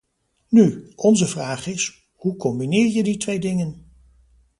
Nu, onze vraag is, hoe combineer je die twee dingen?